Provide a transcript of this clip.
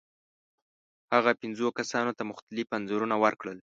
هغه پنځو کسانو ته مختلف انځورونه ورکړل.